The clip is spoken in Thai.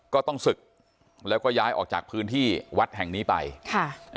ก็ต้องศึกแล้วก็ย้ายออกจากพื้นที่วัดแห่งนี้ไปค่ะ